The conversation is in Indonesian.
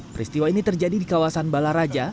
peristiwa ini terjadi di kawasan balaraja